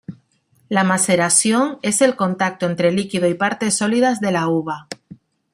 La maceración es el contacto entre líquido y partes sólidas de la uva.